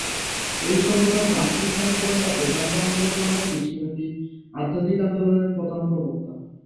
এই সংগঠন রামকৃষ্ণ আন্দোলন বা বেদান্ত আন্দোলন নামক বিশ্বব্যাপী আধ্যাত্মিক আন্দোলনের প্রধান প্রবক্তা।